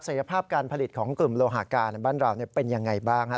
ศักดิ์ภาพการผลิตของกลุ่มโลหะการในบ้านเราเนี่ยเป็นยังไงบ้างครับ